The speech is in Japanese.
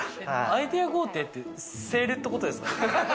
アイデア豪邸ってセールってことですか？